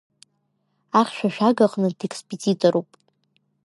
Архьшәашәага аҟны декспедиторуп.